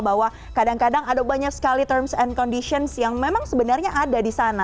bahwa kadang kadang ada banyak sekali terms and conditions yang memang sebenarnya ada di sana